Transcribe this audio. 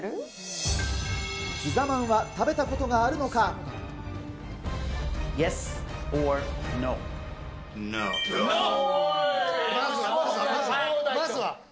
ピザまんは食べたことがあるまずは。